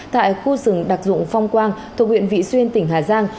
tại khu rừng đặc dụng phong quang thuộc huyện vị xuyên tỉnh hà giang